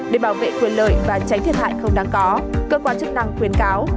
để bảo vệ quyền lợi và tránh thiệt hại không đáng có cơ quan chức năng khuyến cáo